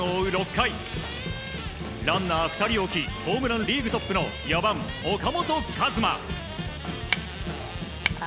６回ランナー２人置きホームランリーグトップの４番、岡本和真。